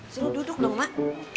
suruh duduk dong mak